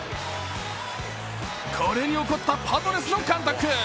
これに怒ったパドレスの監督。